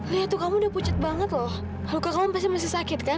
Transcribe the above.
lihat tuh kamu udah pucet banget loh luka kamu pasti masih sakit kan